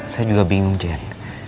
saya juga bingung jen